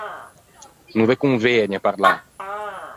No ve convëgne parlâ.